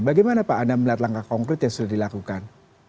bagaimana pak anda melihat langkah konkret yang sudah dilakukan